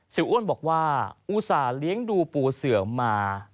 อ้วนบอกว่าอุตส่าห์เลี้ยงดูปูเสือมา